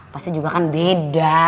pasti juga kan beda